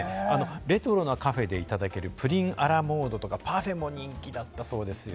レトロなカフェでいただけるプリンアラモードとかパフェも人気だったそうですよ。